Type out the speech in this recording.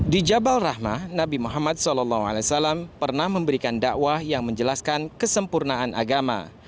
di jabal rahmah nabi muhammad saw pernah memberikan dakwah yang menjelaskan kesempurnaan agama